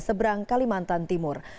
seberang kalimantan timur